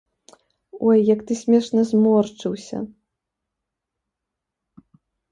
Ой, як ты смешна зморшчыўся!